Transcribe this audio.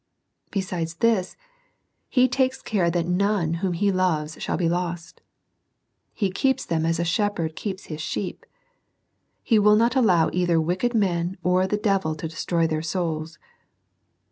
Besides this, He takes care that none wham He loves shall he lost. He keeps them as a shepherd keeps his sheep. He will not allow either wicked men or the devil to destroy their souls.